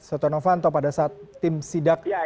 soto novanto pada saat tim sidak